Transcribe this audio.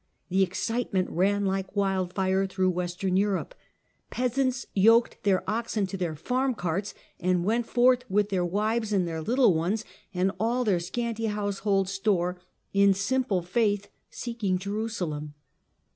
The excitement ran like wildfire through Western Europe. Peasants yoked their oxen to their farm carts and went forth with their wives and their little ones and all their scanty household store, in simple faith, seeking Jerusalem.